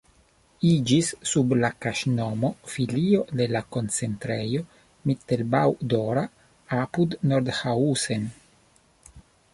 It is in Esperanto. Iĝis sub la kaŝnomo filio de la koncentrejo Mittelbau-Dora apud Nordhausen.